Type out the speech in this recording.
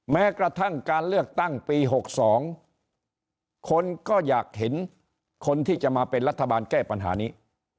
แม้กระทั่งการเลือกตั้งปี๖๒คนก็อยากเห็นคนที่จะมาเป็นรัฐบาลแก้ปัญหานี้